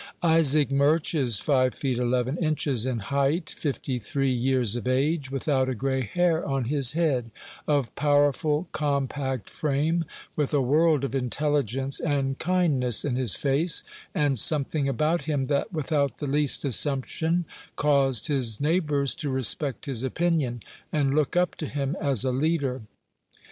Isaac Murch is five feet eleven inches in height, fifty three years of age, without a gray hair on his head, of powerful, compact frame, with a world of intelligence and kindness in his face, and something about him that, without the least assumption, caused his neighbors to respect his opinion, and look up to him as a leader.